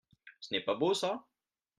Ça n’est pas beau, ça ?